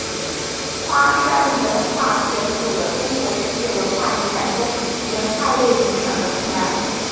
花山岩画填补了中国世界文化遗产中岩画类遗产的空白。